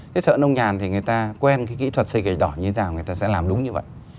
cái thợ nông nhàn thì người ta quen cái kỹ thuật xây gạch đỏ như thế nào người ta sẽ làm đúng như vậy